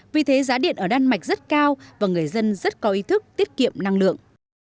vì thế giá điện ở đan mạch rất cao và người dân rất có ý thức tiết kiệm năng lượng